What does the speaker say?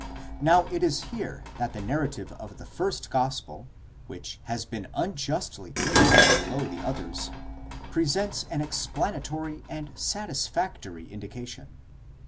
*° Now it is here that the narrative of the first gospel, which has been unjustly placed below the others, presents an explanatory and satisfactory indication.